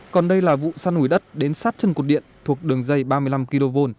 còn đây là vụ săn ủi đất đến sát chân cột điện thuộc đường dây ba mươi năm kv